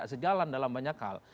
sejalan dalam banyak hal